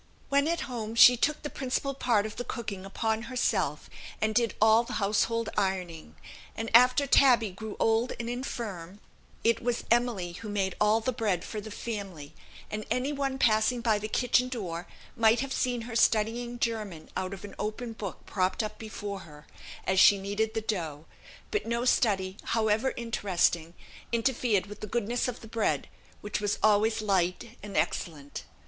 When at home, she took the principal part of the cooking upon herself, and did all the household ironing; and after Tabby grew old and infirm, it was Emily who made all the bread for the family; and any one passing by the kitchen door, might have seen her studying German out of an open book, propped up before her, as she kneaded the dough; but no study, however interesting, interfered with the goodness of the bread, which was always light and excellent.